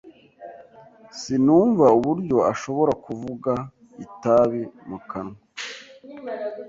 Sinumva uburyo ashobora kuvuga itabi mu kanwa.